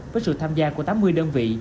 với sự tham gia của tám mươi đơn vị